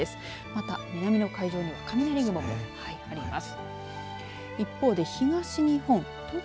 また南の海上には雷雲あります。